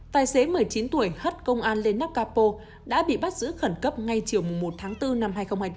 tài xế một mươi chín tuổi hất công an lên nắp capo đã bị bắt giữ khẩn cấp ngay chiều một tháng bốn năm hai nghìn hai mươi bốn